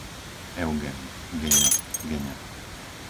Eugen, Geňo, Geňa